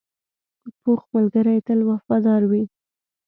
پوخ ملګری تل وفادار وي